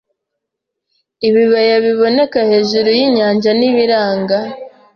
Ibibaya biboneka hejuru yinyanja nibiranga